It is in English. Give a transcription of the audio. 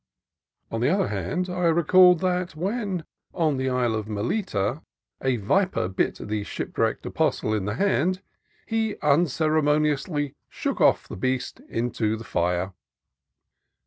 On the other hand, I recalled that when, on the island called Melita, a viper bit the shipwrecked apostle in the hand, he un ceremoniously " shook off the beast into the fire."